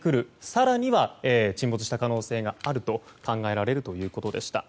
更には沈没した可能性があると考えられるということでした。